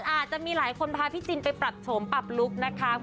อาจจะมีหลายคนพาพี่จินไปปรับโฉมปรับลุคนะคะ